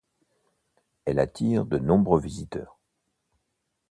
Elle attire de nombreux visiteurs.